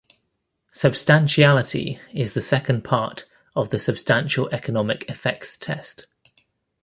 Substantiality is the second part of the substantial economic effects test.